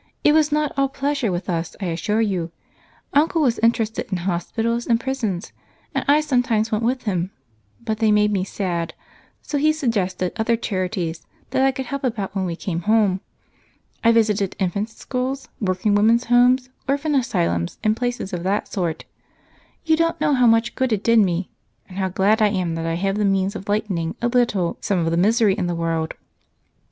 It was not all pleasure with us, I assure you. Uncle was interested in hospitals and prisons, and I sometimes went with him, but they made me sad so he suggested other charities that I could be of help about when we came home. I visited infant schools, working women's homes, orphan asylums, and places of that sort. You don't know how much good it did me and how glad I am that I have the means of lightening a little some of the misery in the world."